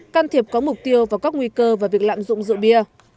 can thiệp có mục tiêu vào các nguy cơ và việc lạm dụng rượu bia